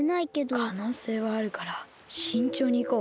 かのうせいはあるからしんちょうにいこう。